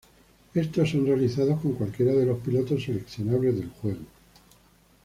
Estos son realizados con cualquiera de los pilotos seleccionables del juego.